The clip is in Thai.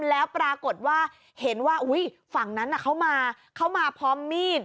แล้วปรากฏว่าเห็นว่าอุ้ยฝั่งนั้นเขามาเขามาพร้อมมีด